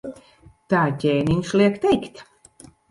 Tā ķēniņš liek teikt.